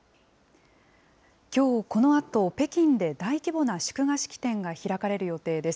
きょう、このあと北京で大規模な祝賀式典が開かれる予定です。